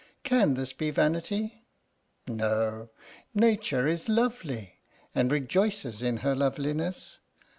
Can this be vanity? No! Nature is lovely and rejoices in her loveliness.